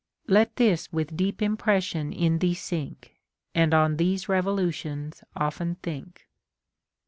Let this with deep impression in thee sink, And on these revolutions often think.